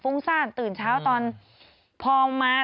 ฟุ้งซ่านตื่นเช้าตอนพองมา